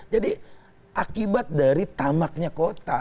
jadi akibat dari tamaknya kota